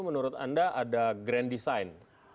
menurut anda ada grand design